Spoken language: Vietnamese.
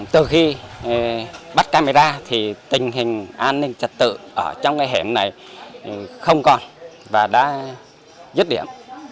từ khi bắt camera thì tình hình an ninh trật tự ở trong cái hẻm này không còn và đã dứt điểm